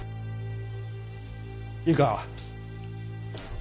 いいか？